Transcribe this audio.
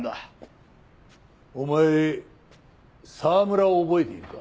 お前沢村を覚えているか？